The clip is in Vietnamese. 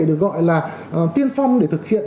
được gọi là tiên phong để thực hiện